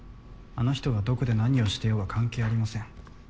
あの人がどこで何をしてようが関係ありません。